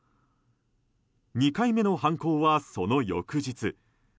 ２回目の犯行は、その翌日。